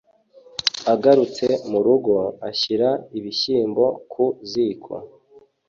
agarutse mu rugo ashyira ibishyimbo ku ziko.\